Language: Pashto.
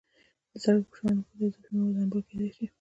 د سړک په شانو کې اضافي مواد انبار کېدای شي